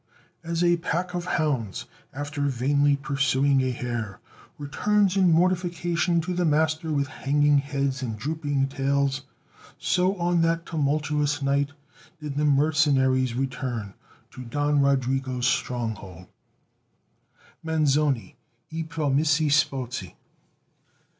"As a pack of hounds, after vainly pursuing a hare, returns in mortification to the master with hanging heads and drooping tails, so on that tumultuous night did the mercenaries return to Don Rodrigo's stronghold" (Manzoni, I promessi Sposi).